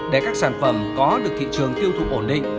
để các sản phẩm có được thị trường tiêu thụ ổn định